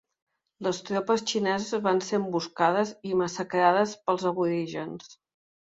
Les tropes xineses van ser emboscades i massacrades pels aborígens.